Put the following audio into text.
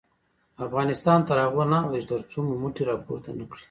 افغانستان تر هغو نه ابادیږي، ترڅو مو مټې راپورته نه کړي.